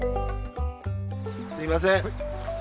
すいません。